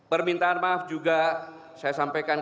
permintaan maaf juga saya sampaikan